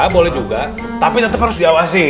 boleh juga tapi tetap harus diawasi